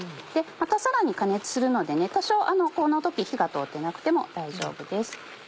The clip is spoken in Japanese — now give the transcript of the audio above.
またさらに加熱するので多少この時火が通ってなくても大丈夫です。